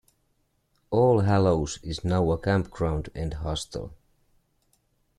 All Hallows is now a campground and hostel.